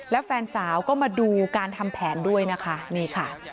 และแฟนสาวก็มาดูการทำแผนด้วยนะคะนี่ค่ะ